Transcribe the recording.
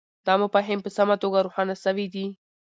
دا مفاهیم په سمه توګه روښانه سوي دي.